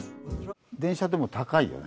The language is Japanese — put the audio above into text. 電車でも高いよね。